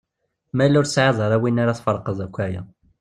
Ma yella ur tesɛiḍ ara win ara tferqeḍ akk aya.